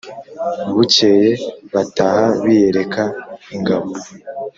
bukeye bataha biyereka ingabo